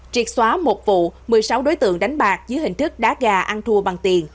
triệt xóa một vụ một mươi sáu đối tượng đánh bạc dưới hình thức đá gà ăn thua bằng tiền